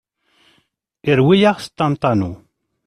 Irwi-yaɣ s ṭanṭanu!!